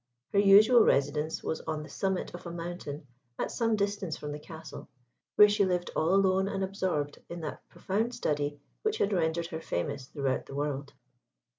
Her usual residence was on the summit of a mountain at some distance from the castle, where she lived all alone and absorbed in that profound study which had rendered her famous throughout the world.